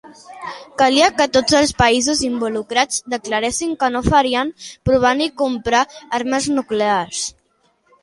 Calia que tots els països involucrats declaressin que no farien, provar ni comprar armes nuclears.